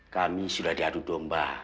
kami sudah diadu domba